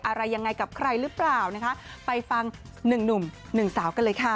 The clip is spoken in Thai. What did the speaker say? อะไรยังไงกับใครหรือเปล่านะคะไปฟังหนึ่งหนุ่มหนึ่งสาวกันเลยค่ะ